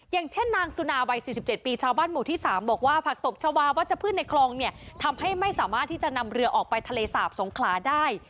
อย่างเช่นนางสุนาวัย๔๗ปีชาวบ้านหมู่ที่๓บอกว่าผักตบชาวาวัชพืชในคลองเนี่ยทำให้ไม่สามารถที่จะนำเรือออกไปทะเลสาบสงขลาได้